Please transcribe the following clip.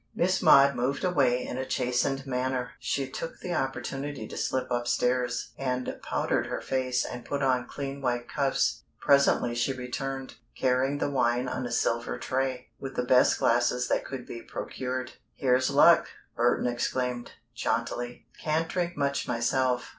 Miss Maud moved away in a chastened manner. She took the opportunity to slip upstairs and powder her face and put on clean white cuffs. Presently she returned, carrying the wine on a silver tray, with the best glasses that could be procured. "Here's luck!" Burton exclaimed, jauntily. "Can't drink much myself.